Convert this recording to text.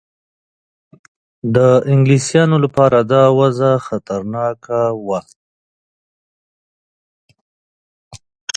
د انګلیسیانو لپاره دا وضع خطرناکه وه.